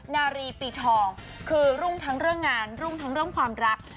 นารีปีทองคือรุ่งทั้งเรื่องงานรุ่งทั้งเรื่องความรัก